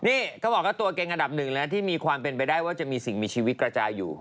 นี่เขาบอกว่าตัวเก่งอันดับหนึ่งนะที่มีความเป็นไปได้ว่าจะมีสิ่งมีชีวิตกระจายอยู่